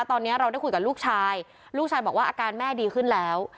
ตอนนี้เราได้คุยกับลูกชายลูกชายบอกว่าอาการแม่ดีขึ้นแล้ว